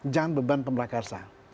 jangan beban pemerakarsa